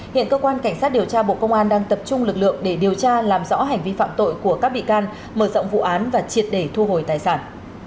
hiện cơ quan cảnh sát điều tra bộ công an đang tập trung lực lượng để điều tra làm rõ hành vi phạm tội của các bị can mở rộng vụ án và triệt để thu hồi tài sản